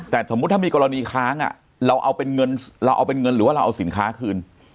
แต่สมมติถ้ามีกรณีค้างเราเอาเป็นเงินหรือว่าเราเอาสินค้าคืน